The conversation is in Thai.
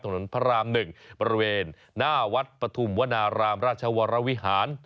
ถนนพระรามหนึ่งบริเวณหน้าวัดปฏุมวนารามรัชวรวิหาร